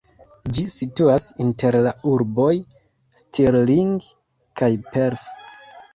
Ĝi situas inter la urboj Stirling kaj Perth.